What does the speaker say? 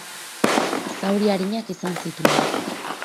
Zauri arinak izan zituen.